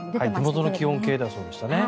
手元の気温計ではそうでしたね。